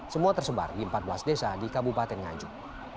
semua tersebar di empat belas desa di kabupaten nganjuk